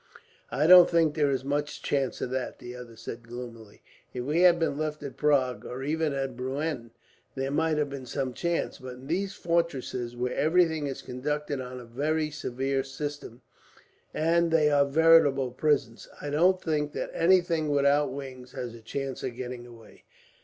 "I don't think there is much chance of that," the other said gloomily. "If we had been left at Prague, or even at Bruenn, there might have been some chance; but in these fortresses, where everything is conducted on a very severe system, and they are veritable prisons, I don't think that anything without wings has a chance of getting away."